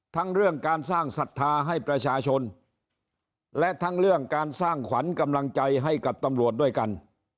ทั้งเรื่องการสร้างศรัทธาให้ประชาชนและทั้งเรื่องการสร้างขวัญกำลังใจให้กับตำรวจด้วยกัน